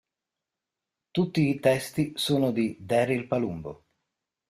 Tutti i testi sono di Daryl Palumbo.